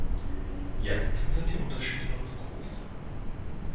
Jetzt sind die Unterschiede noch zu groß.